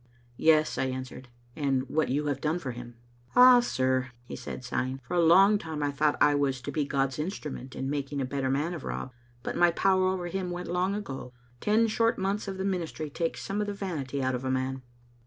Ycs/' I answered, "and what yon have done for him." " Ah, sir V he said, sighing, " f or a long time I thought I w^ to be God's instrument in making a better man of Rob, but my power over him went long ago. Ten short months of the ministry takes some of the vanity out of a man."